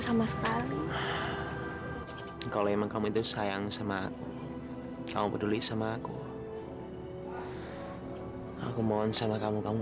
sama sekali kalau emang kamu itu sayang sama kamu peduli sama aku aku mohon sama kamu kamu